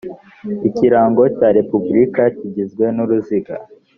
ikirango cya repubulika kigizwe n uruziga